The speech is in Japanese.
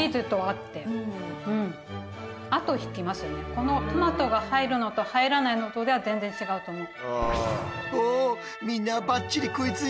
このトマトが入るのと入らないのとでは全然違うと思う。